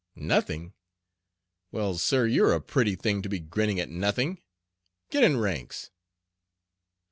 "Nothing! Well, sir, you're a pretty thing to be grinning at nothing. Get in ranks."